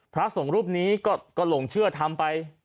พระสงฆ์รูปนี้ก็หลงเชื่อทำไป